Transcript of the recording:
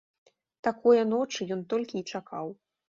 Такое ночы ён толькі і чакаў.